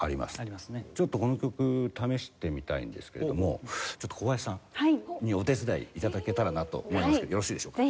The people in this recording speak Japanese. ちょっとこの曲試してみたいんですけれどもちょっと小林さんにお手伝い頂けたらなと思いますけどよろしいでしょうか？